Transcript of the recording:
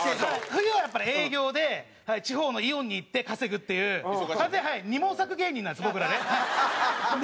冬はやっぱり営業で地方のイオンに行って稼ぐっていう完全に二毛作芸人なんです僕らね。